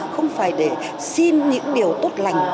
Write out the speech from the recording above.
không phải để xin những điều tốt lành